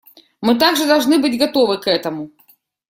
Мы также должны быть готовы к этому.